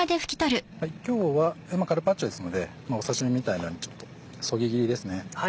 今日はカルパッチョですので刺し身みたいなそぎ切りです。